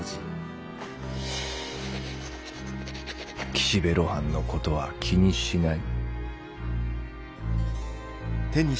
「岸辺露伴のことは気にしない」。